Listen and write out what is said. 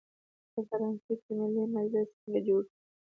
په فرانسه کې ملي مجلس څنګه جوړ شو؟